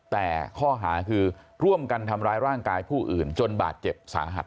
แต่ข้อหาคือร่วมกันทำร้ายร่างกายผู้อื่นจนบาดเจ็บสาหัส